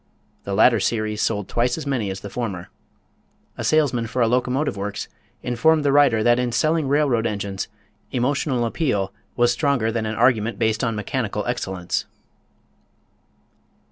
The latter series sold twice as many as the former. A salesman for a locomotive works informed the writer that in selling railroad engines emotional appeal was stronger than an argument based on mechanical excellence.